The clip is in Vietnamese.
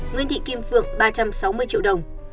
nguyễn thị kim phượng ba trăm sáu mươi triệu đồng